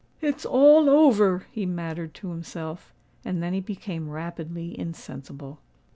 "It's all over!" he mattered to himself; and then he became rapidly insensible.